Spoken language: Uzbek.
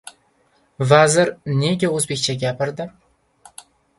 Vazir nega o‘zbekcha gapirdi?